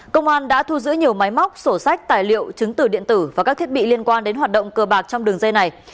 công an đã thu giữ nhiều máy móc sổ sách tài liệu chứng từ điện tử và các thiết bị liên quan đến hoạt động cờ bạc trong đường dây này